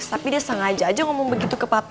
tapi dia sengaja aja ngomong begitu ke papua